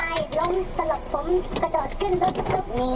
ไม่ได้ล้มสลบผมกระโดดขึ้นรถกรุกหนี